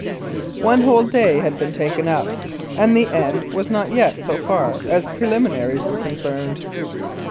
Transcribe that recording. One whole day had been taken up, and the end was not yet so far as preliminaries were concerned.